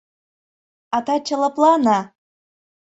А таче лыплане.